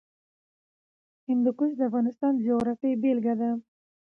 هندوکش د افغانستان د جغرافیې بېلګه ده.